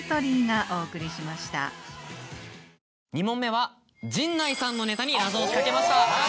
２問目は陣内さんのネタに謎を仕掛けました。